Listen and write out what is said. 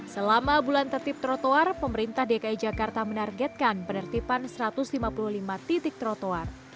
selama bulan tertib trotoar pemerintah dki jakarta menargetkan penertiban satu ratus lima puluh lima titik trotoar